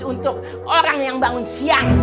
untuk orang yang bangun siang